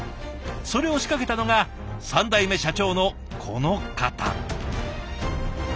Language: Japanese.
それを仕掛けたのが３代目社長のこの方。